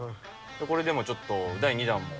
これでもちょっと、第２弾も。